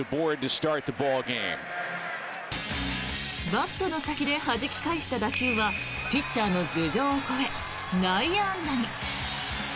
バットの先ではじき返した打球はピッチャーの頭上を越え内野安打に。